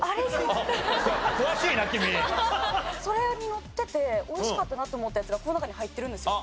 それにのってておいしかったなって思ったやつがこの中に入ってるんですよ。